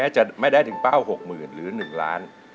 จะไม่ได้ถึงเป้า๖๐๐๐หรือ๑ล้าน